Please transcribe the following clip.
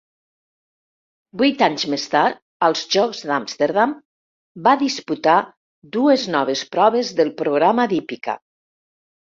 Vuit anys més tard, als Jocs d'Amsterdam, va disputar dues noves proves del programa d'hípica.